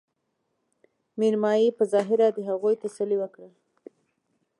مېرمايي په ظاهره د هغوي تسلې وکړه